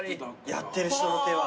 やってる人の手は。